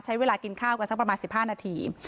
ใช้เวลากินข้าวกันสักประมาณ๑๕นาที